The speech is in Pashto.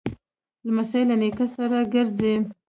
لمسی له نیکه سره ګرځي.